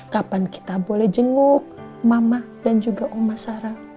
kapan kita boleh jenguk mama dan juga oma sarah